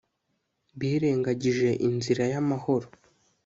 Birengagije inzira y amahoro